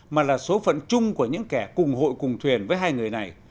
mà là số phận chung của những kẻ cùng hội cùng thuyền với hai người này